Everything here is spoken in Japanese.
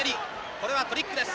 これはトリックです。